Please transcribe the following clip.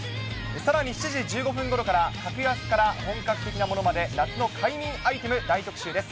さらに７時１５分ごろから、格安から本格的なものまで、夏の快眠アイテム大特集です。